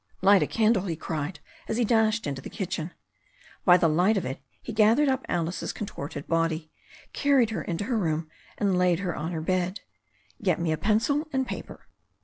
"Light a candle," he cried, as he dashed into the kitchen. By the light of it he gathered up Alice's contorted body, carried her into her room, and laid her on her bed. "Get me a pencil and paper."